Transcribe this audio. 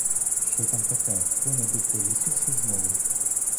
Що там таке, хто-небудь повісився знову?